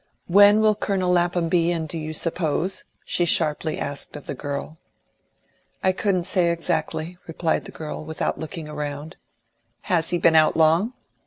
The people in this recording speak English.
"When will Colonel Lapham be in, do you suppose?" she sharply asked of the girl. "I couldn't say exactly," replied the girl, without looking round. "Has he been out long?"